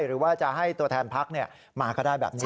หรือว่าจะให้ตัวแทนพักมาก็ได้แบบนี้